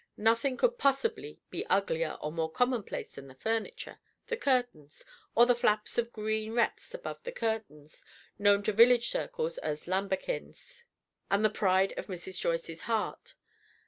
Nothing could possibly be uglier or more common place than the furniture, the curtains, or the flaps of green reps above the curtains, known to village circles as "lamberkins," and the pride of Mrs. Joyce's heart.